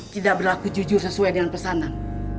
tidak berlaku jujur sesuai dengan pesanan